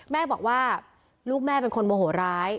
แม่บอกว่าลูกแม่เป็นคนโมโหร้าย